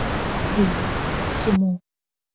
এই, সুমো!